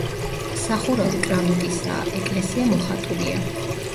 სახურავი კრამიტისაა, ეკლესია მოხატულია.